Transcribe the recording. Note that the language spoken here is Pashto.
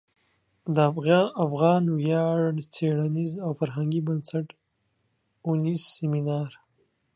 د افغان ویاړ څیړنیز او فرهنګي بنسټ او نیز سمینار